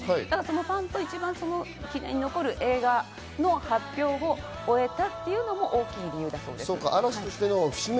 ファンと記念に残る映画の発表を終えたというのも大きい理由です。